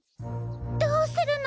どうするの？